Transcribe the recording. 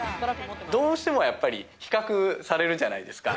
どうしてもやっぱり、比較されるじゃないですか。